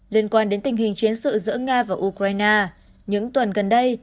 liên quan đến tình hình chiến sự giữa nga và ukraine những tuần gần đây